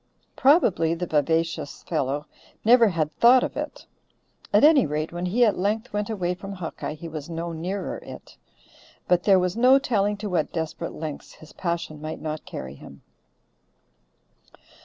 Probably the vivacious fellow never had thought of it. At any rate when he at length went away from Hawkeye he was no nearer it. But there was no telling to what desperate lengths his passion might not carry him.